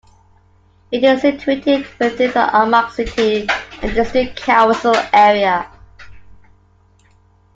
It is situated within the Armagh City and District Council area.